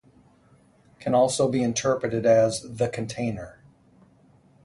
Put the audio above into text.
Can also be interpreted as "the container".